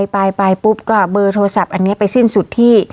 ไปปุ๊บก็เบอร์โทรศัพท์อันนี้ไปสิ้นสุดที่